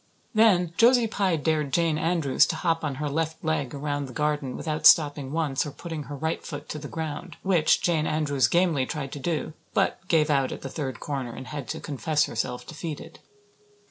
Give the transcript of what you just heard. Then Josie Pye dared Jane Andrews to hop on her left leg around the garden without stopping once or putting her right foot to the ground; which Jane Andrews gamely tried to do, but gave out at the third corner and had to confess herself defeated.